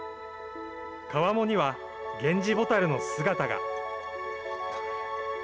川面には、ゲンジボタルの姿が。